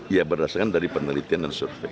ya berdasarkan dari penelitian dan survei